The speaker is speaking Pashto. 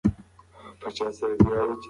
دی یوازې د خپل تنفس غږ اوري.